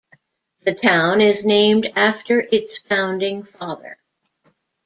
The town is named after its founding father.